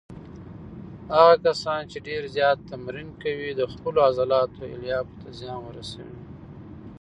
هغه کسان چې ډېر زیات تمرین کوي د خپلو عضلاتو الیافو ته زیان ورسوي.